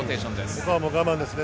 ここは我慢ですね。